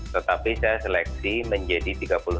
tetapi saya seleksi menjadi tiga puluh tujuh